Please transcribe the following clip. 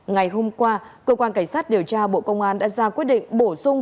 ngày hôm qua cơ quan cảnh sát điều tra bộ công an đã ra quyết định bổ sung